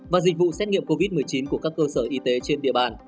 và dịch vụ xét nghiệm covid một mươi chín của các cơ sở y tế trên địa bàn